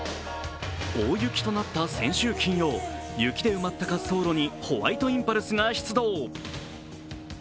大雪となった先週金曜、雪で埋まった滑走路にホワイトインパルスが出動。